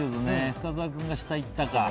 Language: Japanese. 深澤君が下いったか。